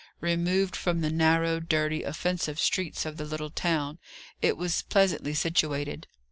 Removed from the narrow, dirty, offensive streets of the little town, it was pleasantly situated.